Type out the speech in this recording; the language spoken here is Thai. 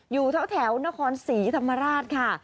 อยู่แถวนครศรีธรรมราชค่ะ